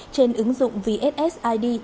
trên ứng dụng vssid